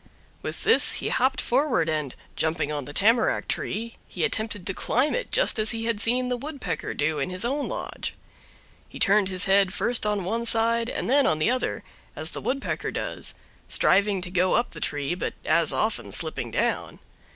With this he hopped forward and, jumping on the tamarack tree, he attempted to climb it just as he had seen the Woodpecker do in his own lodge. He turned his head first on one side and then on the other, as the Woodpecker does, striving to go up the tree, but as often slipping down.